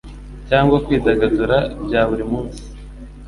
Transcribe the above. Cyangwa kwidagadura, bya buri munsi